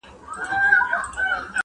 له تارونو دي را وایستل تورونه -